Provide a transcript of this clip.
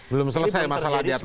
belum selesai masalah diatasnya